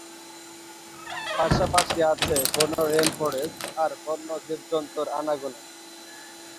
পাশাপাশি আছে ঘন রেন ফরেস্ট আর বন্য জীবজন্তুর আনাগোনা।